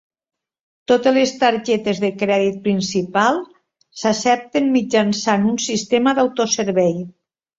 Totes les targetes de crèdit principals s'accepten mitjançant un sistema d'autoservei.